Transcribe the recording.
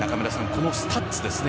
このスタッツですね。